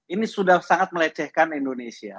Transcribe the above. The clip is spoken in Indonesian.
ini sudah sangat melecehkan indonesia